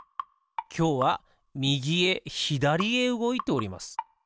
きょうはみぎへひだりへうごいております。